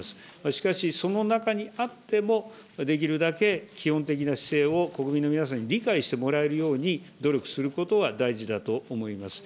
しかし、その中にあっても、できるだけ基本的な姿勢を国民の皆さんに理解してもらえるように努力することは大事だと思います。